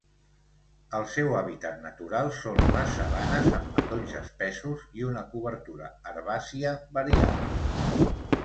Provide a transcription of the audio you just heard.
El seu hàbitat natural són les sabanes amb matolls espessos i una cobertura herbàcia variable.